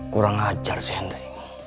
kurang ajar si hendry